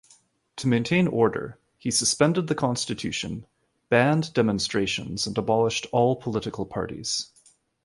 To maintain order, he suspended the constitution, banned demonstrations and abolished all political parties.